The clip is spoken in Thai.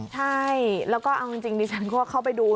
ใช่แล้วก็เอาจริงดิฉันก็เข้าไปดู